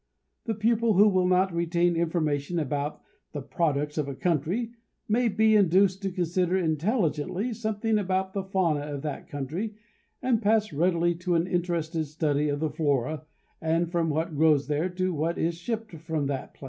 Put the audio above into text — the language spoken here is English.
The pupil who will not retain information about the products of a country may be induced to consider intelligently something about the fauna of that country and pass readily to an interested study of the flora, and from what grows there to what is shipped from that place.